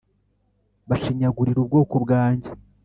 Bashinyagurira ubwoko bwanjye.